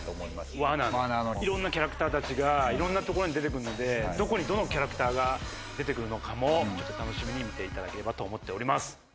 ワーナーのいろんなキャラクターたちがいろんなところに出てくるので、どこにどんなキャラクターが出てくるのかも楽しみに見ていただければと思っています。